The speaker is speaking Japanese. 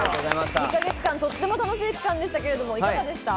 ２か月間とても楽しい期間でしたが、いかがでした？